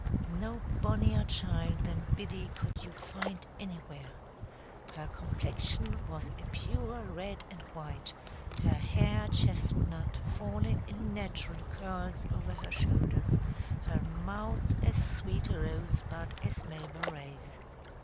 No bonnier child than Biddy could you find anywhere. Her complexion was a pure red and white, her hair chestnut, falling in natural curls over her shoulders, her mouth as sweet a rose bud as Mabel Ray's.